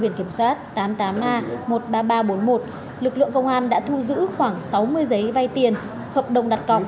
nga tám mươi tám a một mươi ba nghìn ba trăm bốn mươi một lực lượng công an đã thu giữ khoảng sáu mươi giấy vai tiền hợp đồng đặt cọc